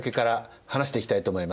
話していきたいと思います。